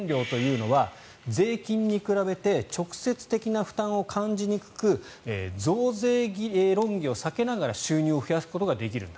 社会保険料というのは税金に比べ直接的な負担を感じにくく増税論議を避けながら収入を増やすことができるんだ